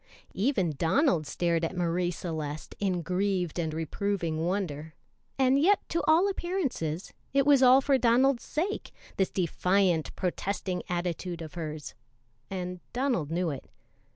Even Donald stared at Marie Celeste in grieved and reproving wonder, and yet to all appearances it was all for Donald's sake, this defiant, protesting attitude of hers, and Donald knew it.